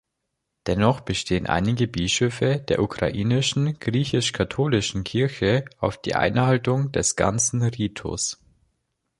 Dennoch bestehen einige Bischöfe der Ukrainischen Griechisch-Katholischen Kirche auf die Einhaltung des ganzen Ritus.